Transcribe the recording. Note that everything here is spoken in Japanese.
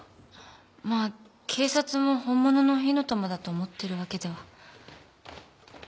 まあ警察も本物の火の玉だと思ってるわけでは。